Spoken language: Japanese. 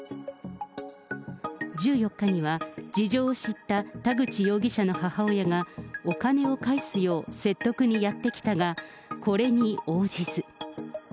事情を知った田口容疑者の母親がお金を返すよう説得にやって来たが、これに応じず。